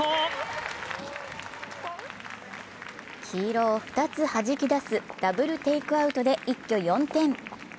黄色を２つはじき出すダブルテイクアウトで一挙４点。